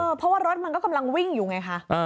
เพราะว่ารถมันก็กำลังวิ่งอยู่ไงคะ